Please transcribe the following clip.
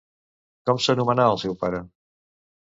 Com s'anomenà el seu pare?